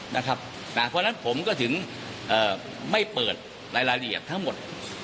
เพราะฉะนั้นผมก็ถึงไม่เปิดรายละเอียดทั้งหมด